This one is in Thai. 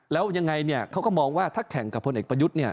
แล้วยังไงเนี่ยเขาก็มองว่าถ้าแข่งกับพลเอกประยุทธ์เนี่ย